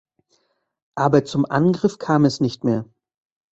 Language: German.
Aber zum Angriff kam es nicht mehr.